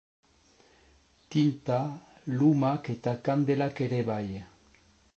Tinta, lumak eta kandelak ere bai.